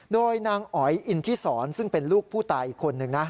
โดยนางอ๋อยอินทิศรซึ่งเป็นลูกผู้ตายอีกคนนึงนะ